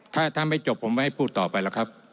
ถ้าไม่จบผมไม่ให้พูดต่อไปหรอกครับ